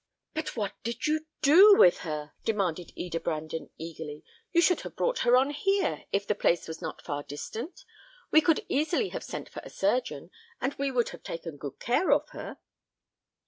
"But what did you do with her?" demanded Eda Brandon, eagerly. "You should have brought her on here, if the place was not far distant; we could easily have sent for a surgeon, and we would have taken good care of her."